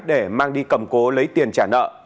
để mang đi cầm cố lấy tiền trả nợ